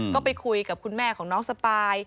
ก็ไปคุยกับคุณแม่ของน้องสปาย